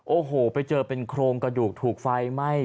โอ้โหไปเจอเป็นโครงกระดูกถูกไฟไหม้